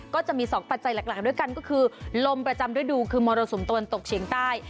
ก็จะมี๒ปัจจัยหลักด้วยกันก็คือลมประจำฤดูคือมรสุมตะวันตกเฉียงใต้